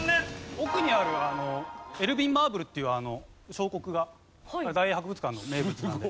奥にあるエルギン・マーブルっていう彫刻が大英博物館の名物なので。